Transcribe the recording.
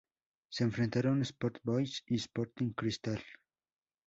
Se enfrentaron Sport Boys y Sporting Cristal.